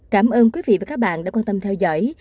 cảm ơn quý vị và các bạn đã quan tâm theo dõi